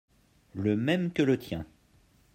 Le même que le tien.